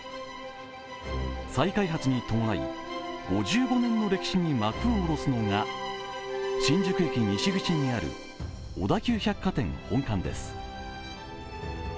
再開発に伴い、５５年の歴史に幕を下ろすのが新宿駅西口にある小田急百貨店本館です。